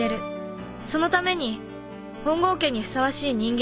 そのために本郷家にふさわしい人間になる。